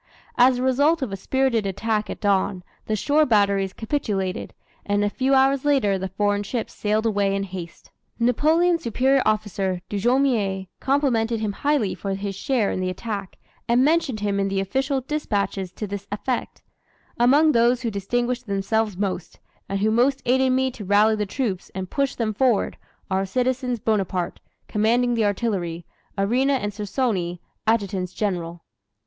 As a result of a spirited attack at dawn, the shore batteries capitulated, and a few hours later the foreign ships sailed away in haste. Napoleon's superior officer, Dugommier complimented him highly for his share in the attack, and mentioned him in the official dispatches to this effect: "Among those who distinguished themselves most, and who most aided me to rally the troops and push them forward, are citizens Buonaparte, commanding the artillery, Arena and Cerconi, Adjutants General."